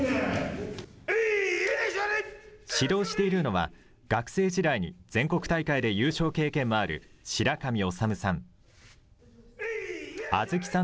指導しているのは、学生時代に全国大会で優勝経験もある白神治さん。